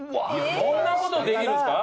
そんなことできるんすか？